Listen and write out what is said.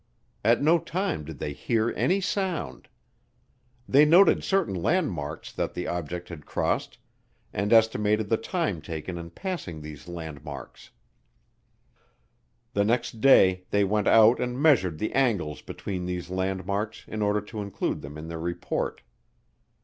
At no time did they hear any sound. They noted certain landmarks that the object had crossed and estimated the time taken in passing these landmarks. The next day they went out and measured the angles between these landmarks in order to include them in their report.